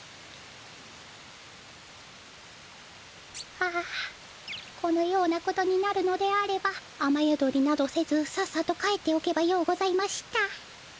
はこのようなことになるのであれば雨宿りなどせずさっさと帰っておけばようございました。